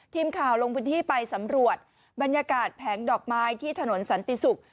ทีมข่าวลงพื้นที่ไปสำรวจบรรยากาศแผงดอกไม้ที่ถนนสันติศุกร์